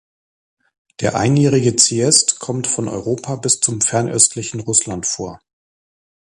Der Einjährige Ziest kommt von Europa bis zum fernöstlichen Russland vor.